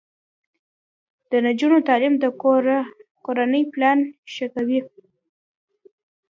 د نجونو تعلیم د کورنۍ پلان ښه کوي.